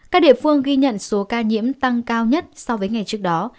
các địa phương ghi nhận số ca nhiễm tăng cao nhất so với ngày trước đó